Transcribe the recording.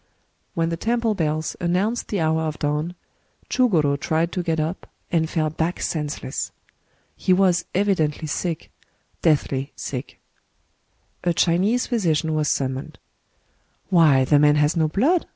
When the temple bells announced the hour of dawn, ChugorS tried to get up, and fell back senseless. He was evidently sick, — deathly sick. A Chinese physician was summoned. " Why, the man has no blood